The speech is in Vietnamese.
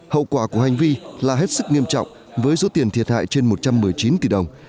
hậu quả của hành vi là hết sức nghiêm trọng với số tiền thiệt hại trên một trăm một mươi chín tỷ đồng